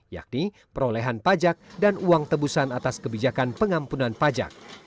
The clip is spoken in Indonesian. yakni perolehan pajak dan uang tebusan atas kebijakan pengampunan pajak